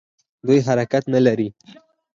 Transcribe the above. دوی حرکت نه لري.